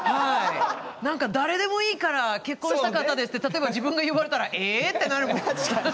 なんか誰でもいいから結婚したかったですって例えば自分が言われたら「え！」ってなるもん。